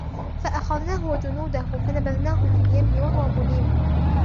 فأخذناه وجنوده فنبذناهم في اليم وهو مليم